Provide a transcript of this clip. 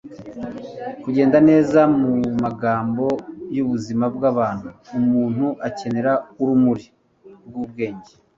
kugenda neza mumagambo yubuzima bwabantu, umuntu akenera urumuri rwubwenge